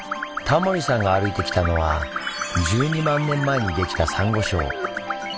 タモリさんが歩いてきたのは１２万年前にできたサンゴ礁。